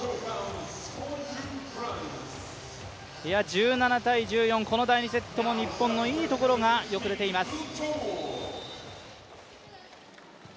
１７−１４、この第２セットも日本のいいところがよく出ています。